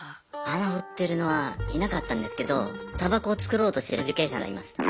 穴掘ってるのはいなかったんですけどたばこを作ろうとしてる受刑者がいました。